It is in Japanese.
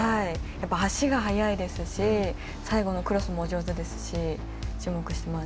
足が速いですし最後のクロスも上手ですし注目しています。